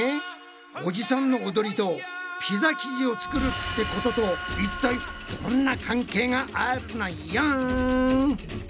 おじさんのおどりとピザ生地を作るってことといったいどんな関係があるのよん？